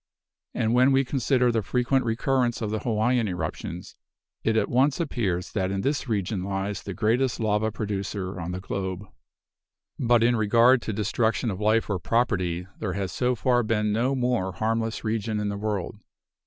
And when we consider the frequent recurrence of the Hawaiian eruptions, it at once appears that in this region lies the greatest lava producer on the globe. But in regard to destruction of life or property, there has so far been no more harmless region in the world.